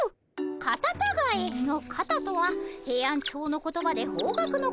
カタタガエの「カタ」とはヘイアンチョウの言葉で方角のこと。